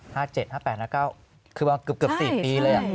ห้า๗ห้า๘แล้ว๙คือเกือบ๔ปีเลย